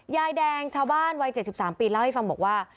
ยายแดงชาวบ้านวัยเจ็ดสิบสามปีเล่าให้ฟังบอกว่า